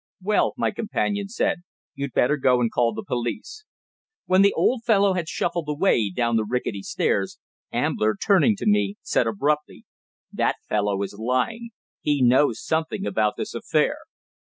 "Well," my companion said, "you'd better go and call the police." When the old fellow had shuffled away down the rickety stairs, Ambler, turning to me, said abruptly: "That fellow is lying; he knows something about this affair."